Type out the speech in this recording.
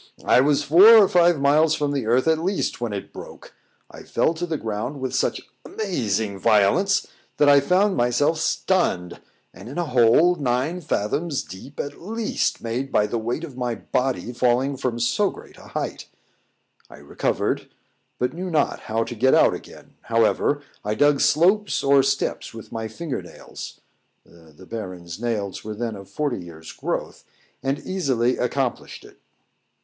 I was four or five miles from the earth at least when it broke; I fell to the ground with such amazing violence, that I found myself stunned, and in a hole nine fathoms deep at least, made by the weight of my body falling from so great a height: I recovered, but knew not how to get out again; however, I dug slopes or steps with my finger nails [the Baron's nails were then of forty years' growth], and easily accomplished it.